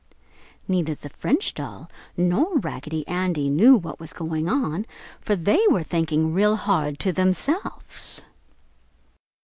Neither the French doll nor Raggedy Andy knew what was going on, for they were thinking real hard to themselves.